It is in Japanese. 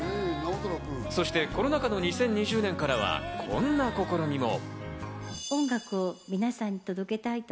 そしてコロナ禍の２０２０年からはこんな試みも。